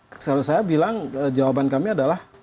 kalau saya bilang jawaban kami adalah